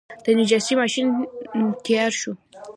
د نساجۍ ماشین تیار شو.